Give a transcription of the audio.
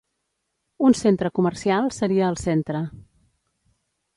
Un centre comercial seria al centre.